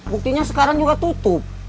buktinya sekarang juga tutup